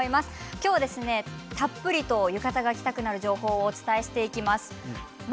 今日はたっぷり浴衣を着たくなる情報をお伝えしていきます。